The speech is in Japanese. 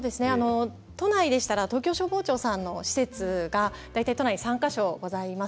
都内でしたら東京消防庁さんの施設が大体、都内に３か所ございます。